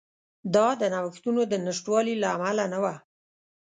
دا د نوښتونو د نشتوالي له امله نه وه.